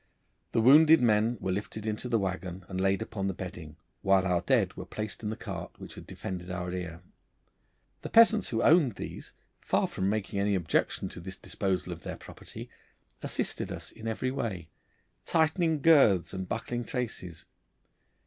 The wounded men were lifted into the waggon and laid upon the bedding, while our dead were placed in the cart which had defended our rear. The peasants who owned these, far from making any objection to this disposal of their property, assisted us in every way, tightening girths and buckling traces.